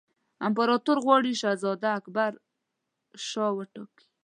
امپراطور غواړي شهزاده اکبرشاه وټاکي.